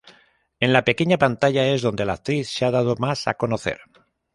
En la pequeña pantalla es donde la actriz se ha dado más a conocer.